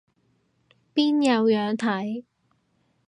邊有樣睇